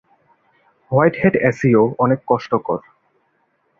White hat S E O অনেক কষ্টকর।